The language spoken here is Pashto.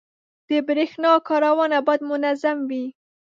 • د برېښنا کارونه باید منظم وي.